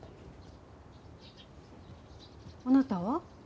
あなたは？